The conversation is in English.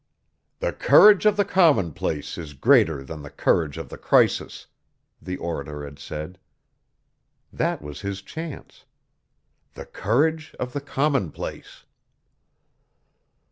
"The courage of the commonplace is greater than the courage of the crisis," the orator had said. That was his chance "the courage of the commonplace."